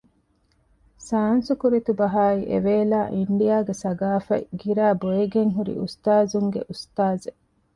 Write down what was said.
ސާންސުކުރިތުބަހާއި އެވޭލާ އިންޑިއާގެ ސަގާފަތް ގިރައިބޮއިގެން ހުރި އުސްތާޒުންގެ އުސްތާޒެއް